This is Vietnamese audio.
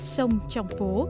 sông trong phố